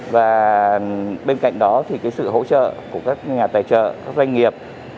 và bên cạnh đó thì cái sự hỗ trợ của các nhà tài trợ các doanh nghiệp